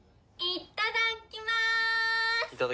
いただきます。